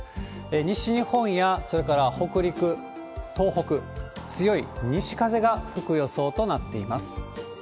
西日本や、それから北陸、東北、強い西風が吹く予想となっています。